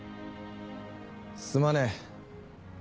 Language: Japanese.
すまねえ。